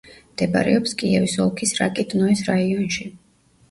მდებარეობს კიევის ოლქის რაკიტნოეს რაიონში.